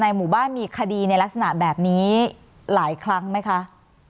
หมู่บ้านมีคดีในลักษณะแบบนี้หลายครั้งไหมคะ